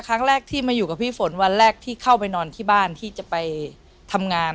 ครั้งแรกที่มาอยู่กับพี่ฝนวันแรกที่เข้าไปนอนที่บ้านที่จะไปทำงาน